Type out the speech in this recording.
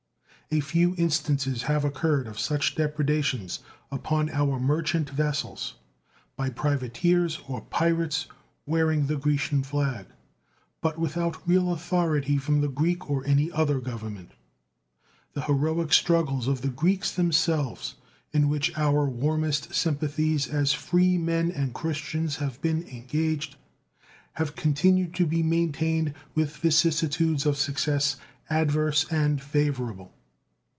A few instances have occurred of such depredations upon our merchant vessels by privateers or pirates wearing the Grecian flag, but without real authority from the Greek or any other Government. The heroic struggles of the Greeks themselves, in which our warmest sympathies as free men and Christians have been engaged, have continued to be maintained with vicissitudes of success adverse and favorable.